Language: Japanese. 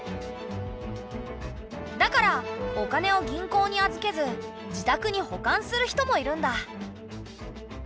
だからお金を銀行に預けず自宅に保管する人もいるんだ。